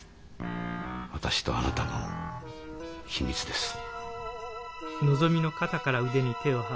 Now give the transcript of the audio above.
私とあなたの秘密です。